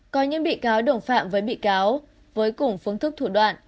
có những bị cáo đồng phạm với bị cáo với cùng phương thức thủ đoạn